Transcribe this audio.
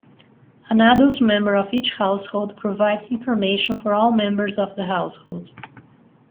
An adult member of each household provides information for all members of the household.